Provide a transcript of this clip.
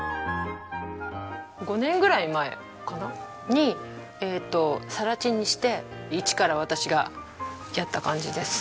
５年ぐらい前かな？に更地にして一から私がやった感じです。